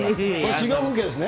修行風景ですね。